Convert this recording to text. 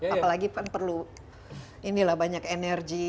apalagi kan perlu ini lah banyak energi